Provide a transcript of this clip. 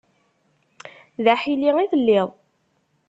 D aḥili i telliḍ.